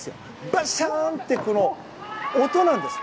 バシャーンって音なんです。